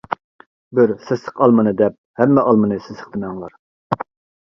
بىر سېسىق ئالمىنى دەپ ھەممە ئالمىنى سېسىق دېمەڭلار!